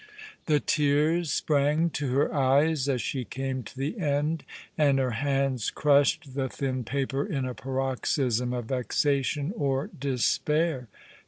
The tears sprang to her eyes as she came to the end, and her hands crushed the thin paper in a paroxysm of vexation or despair.